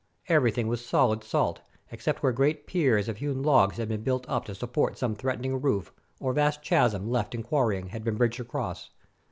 Everything was solid salt, except where great piers of hewn logs had been built up to sup port some threatening roof, or vast chasm, left in quar rying, had been bridged across.